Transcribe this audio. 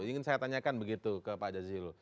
ingin saya tanyakan begitu ke pak jazilul